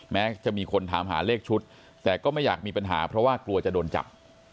แม้จะมีคนถามหาเลขชุดแต่ก็ไม่อยากมีปัญหาเพราะว่ากลัวจะโดนจับ